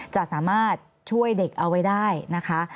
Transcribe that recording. จะสามารถช่วยเด็กเอาไว้ได้นะคะ